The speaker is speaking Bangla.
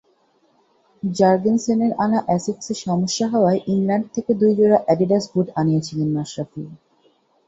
জার্গেনসেনের আনা অ্যাসিক্সে সমস্যা হওয়ায় ইংল্যান্ড থেকে দুই জোড়া অ্যাডিডাস বুট আনিয়েছিলেন মাশরাফি।